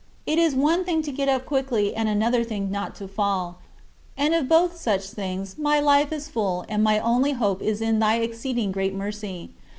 It is one thing to get up quickly and another thing not to fall and of both such things my life is full and my only hope is in thy exceeding great mercy.